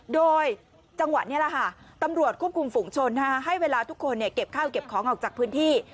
โดยจังหวะนี้แหละค่ะตำรวจควบคุมฝุงชนให้เวลาทุกคนเก็บข้าวเก็บของออกจากพื้นที่